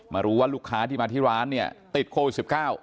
รู้ว่าลูกค้าที่มาที่ร้านเนี่ยติดโควิด๑๙